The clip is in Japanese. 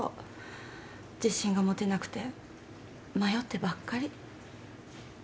自信が持てなくて迷ってばっかり。